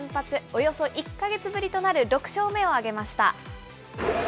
およそ１か月ぶりとなる６勝目を挙げました。